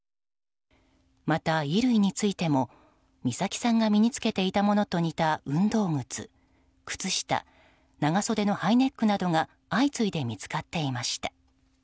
また、衣類についても美咲さんが身に着けていたものと似た運動靴、靴下長袖のハイネックなどが相次いで見つかっていました。